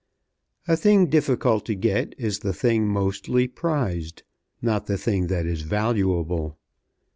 A thing difficult to get is the thing mostly prized, not the thing that is valuable.